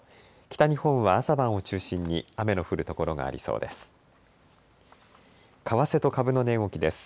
北日本は朝晩を中心に雨の降る所がありそうです。